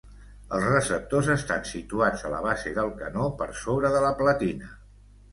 Els receptors estan situats a la base del canó per sobre de la platina.